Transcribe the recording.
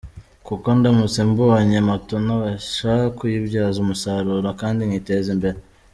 Kuko ndamutse mbonye moto nabasha kuyibyaza umusaruro kandi nkiteza imbere.